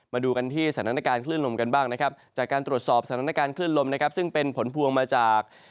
มาดูกันที่สถานการณ์คลื่นลมกันบ้างนะครับจากการตรวจสอบสถานการณ์คลื่นลมนะครับซึ่งเป็นผลพวงมาจาก